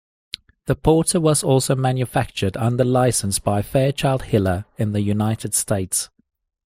The Porter was also manufactured under license by Fairchild Hiller in the United States.